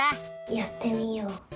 やってみよう。